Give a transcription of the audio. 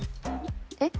えっ？